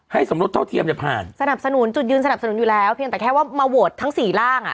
สมรสเท่าเทียมจะผ่านสนับสนุนจุดยืนสนับสนุนอยู่แล้วเพียงแต่แค่ว่ามาโหวตทั้งสี่ร่างอ่ะ